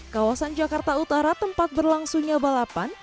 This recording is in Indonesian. kawasan jakarta utara tempat berlangsungnya balapan